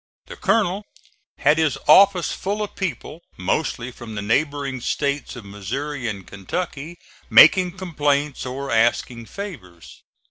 The Colonel had his office full of people, mostly from the neighboring States of Missouri and Kentucky, making complaints or asking favors.